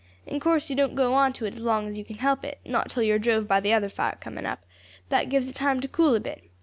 In course you don't go on to it as long as you can help it, not till you are drove by the other fire coming up; that gives it time to cool a bit.